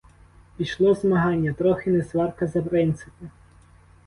Пішло змагання, трохи не сварка за принципи.